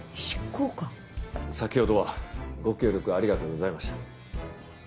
先ほどはご協力ありがとうございました。